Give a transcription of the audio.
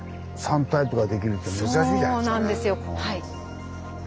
そうなんですよはい。